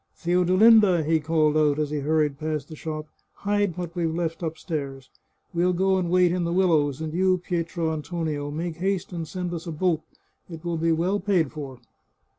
" Theodolinda," he called out, as he hurried past the shop, " hide what we've left upstairs. We'll go and wait iri the willows, and you, Pietro Antonio, make haste and send us a boat. It will be well paid for."